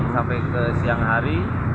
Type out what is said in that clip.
sampai ke siang hari